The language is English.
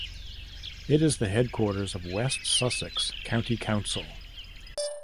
It is the headquarters of West Sussex County Council.